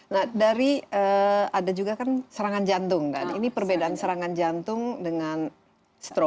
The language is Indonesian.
nah dari ada juga kan serangan jantung kan ini perbedaan serangan jantung dengan stroke